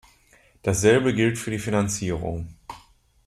Dasselbe gilt für die Finanzierung.